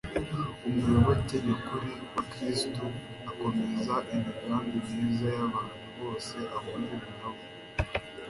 umuyoboke nyakuri wa kisto akomeza imigambi myiza y'abantu bose ahura na bo